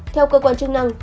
theo cơ quan chức năng